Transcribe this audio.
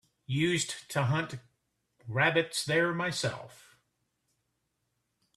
Used to hunt rabbits there myself.